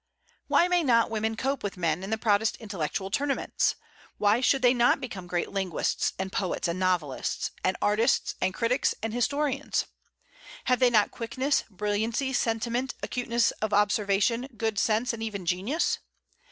Why may not women cope with men in the proudest intellectual tournaments? Why should they not become great linguists, and poets, and novelists, and artists, and critics, and historians? Have they not quickness, brilliancy, sentiment, acuteness of observation, good sense, and even genius?